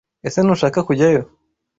Ese Ntushaka kujyayo